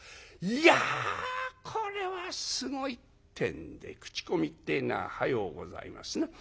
「いやこれはすごい」ってんで口コミってえのは早うございますな。